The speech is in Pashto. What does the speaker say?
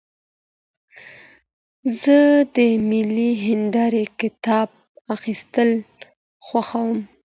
زه د ملي هندارې کتاب اخیستل خوښوم.